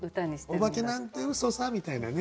「おばけなんてうそさ」みたいなね。